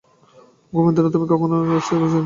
যোগেন্দ্র, তুমি কখন কী বল তার কিছুই স্থির নাই।